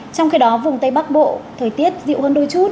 trong khi đó vùng tây bắc bộ thời tiết dịu hơn đôi chút